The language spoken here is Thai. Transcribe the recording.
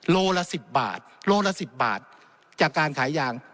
โลละ๑๐บาทโลละ๑๐บาทจากการขายยาง